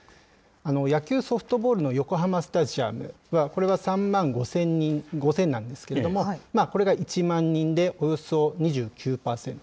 野球・ソフトボールの横浜スタジアムは、これは３万５０００なんですけれども、これが１万人でおよそ２９％。